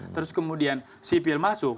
terus kemudian sipil masuk